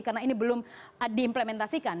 karena ini belum diimplementasikan